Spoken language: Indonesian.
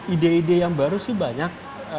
ide ide yang baru sih banyak